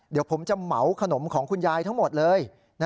เดี๋ยวผมจะเหมาขนมของคุณยายทั้งหมดเลย